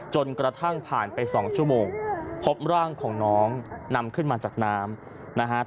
จนกระทั่งผ่านไป๒ชั่วโมงพบร่างของน้องนำขึ้นมาจากน้ำนะฮะ